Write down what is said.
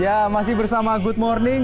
ya masih bersama good morning